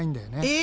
え！